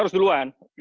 kuasai kita nanti